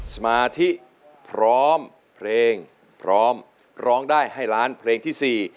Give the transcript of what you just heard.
สมาธิพร้อมเพลงพร้อมร้องได้ให้ล้านเพลงที่สี่